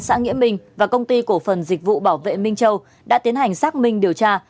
xã nghĩa minh và công ty cổ phần dịch vụ bảo vệ minh châu đã tiến hành xác minh điều tra